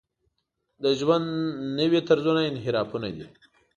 د ژوند نوي طرزونه انحرافونه دي.